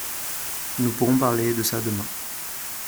nous pourrons parler de ça demain.